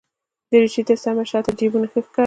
دریشي ته سم شاته جېبونه ښه ښکاري.